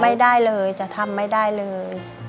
ไม่ได้เลยจะทำไม่ได้เลย